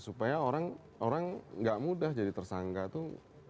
supaya orang orang gak mudah jadi tersangka tuh